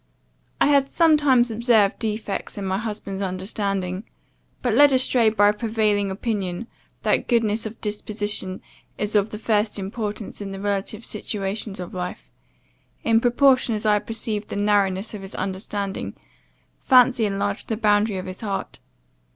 "I had sometimes observed defects in my husband's understanding; but, led astray by a prevailing opinion, that goodness of disposition is of the first importance in the relative situations of life, in proportion as I perceived the narrowness of his understanding, fancy enlarged the boundary of his heart.